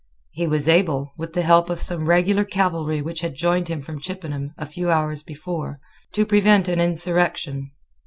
He was able, with the help of some regular cavalry which had joined him from Chippenham a few hours before, to prevent an insurrection.